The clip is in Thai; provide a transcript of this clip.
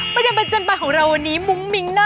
ประจำบันจรห์ของเราวันนี้มุ้งมิ้งน่ารัก